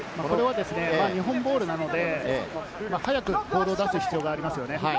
日本ボールなので、早くボールを出す必要がありますね。